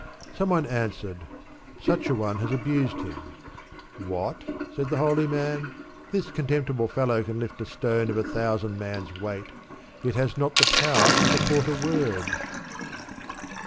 Some one answered, '' Such a one has abused him." '' What !" said the holy man, '' this contemptible fellow can hit a stone of a thousand mans'^ weight, yet has not the power to support a word.